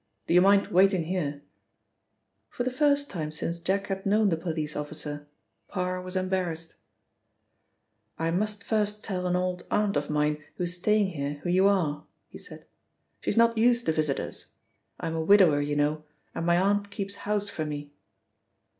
"Do you mind waiting here?" For the first time since Jack had known the police officer, Parr was embarrassed. "I must first tell an old aunt of mine who is staying here who you are," he said. "She's not used to visitors. I'm a widower, you know, and my aunt keeps house for me."